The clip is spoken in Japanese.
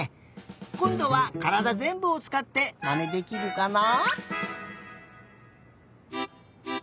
こんどはからだぜんぶをつかってまねできるかな？